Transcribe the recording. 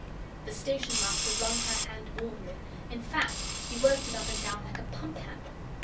The Station Master wrung her hand warmly. In fact he worked it up and down like a pump handle.